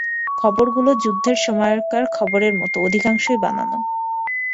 খবরগুলো যুদ্ধের সময়কার খবরের মতো, অধিকাংশই বানানো।